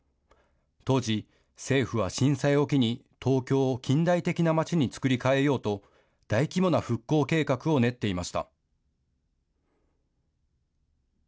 当時、政府は震災を機に、東京を近代的なまちに作り替えようと、大規模な復興計画を練っていました。